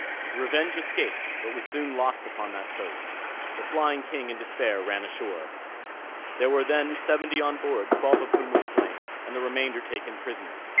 The Revenge escaped, but was soon lost upon that coast. The Flying King in despair run ashore. There were then seventy on board, twelve of whom were slain, and the remainder taken prisoners.